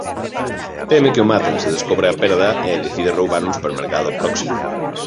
Teme que o maten se descobre a perda e decide roubar un supermercado próxima.